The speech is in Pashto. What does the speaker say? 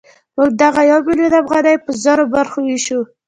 موږ دغه یو میلیون افغانۍ په زرو برخو وېشو